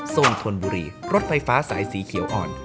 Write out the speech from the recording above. ทรงธนบุรีรถไฟฟ้าสายสีเขียวอ่อน